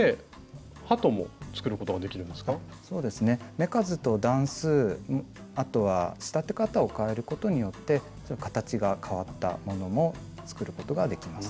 目数と段数あとは仕立て方を変えることによって形が変わったものも作ることができます。